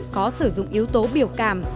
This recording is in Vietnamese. có sử dụng yếu tố biểu cảm